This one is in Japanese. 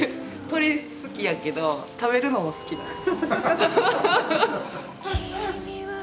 鳥好きやけど食べるのも好きなの。